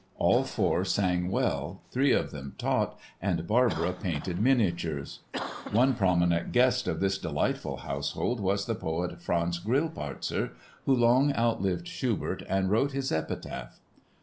All four sang well, three of them taught and Barbara painted miniatures. One prominent guest of this delightful household was the poet, Franz Grillparzer, who long outlived Schubert and wrote his epitaph.